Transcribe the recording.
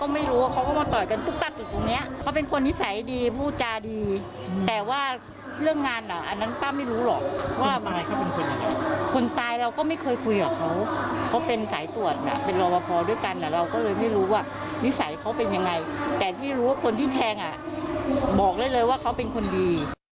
ไม่ได้เลยว่าเขาเป็นคนดี